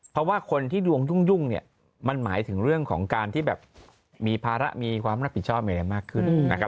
เพราะว่าคนที่ดวงยุ่งเนี่ยมันหมายถึงเรื่องของการที่แบบมีภาระมีความรับผิดชอบอะไรมากขึ้นนะครับ